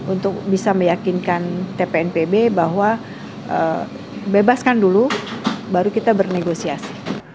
untuk bisa meyakinkan tpnpb bahwa bebaskan dulu baru kita bernegosiasi